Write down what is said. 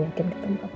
ya kita ketemu ke papa